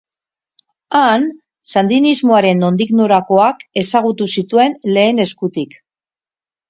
Han sandinismoaren nondik norakoak ezagutu zituen lehen eskutik.